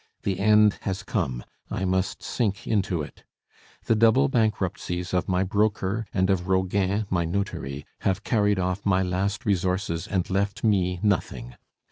The end has come, I must sink into it. The double bankruptcies of my broker and of Roguin, my notary, have carried off my last resources and left me nothing.